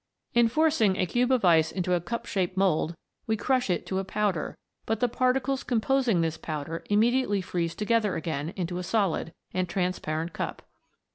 In for cing a cube of ice into a cup shaped mould, we crush it to a powder, but the particles composing this powder immediately freeze together again into a solid and transparent cup.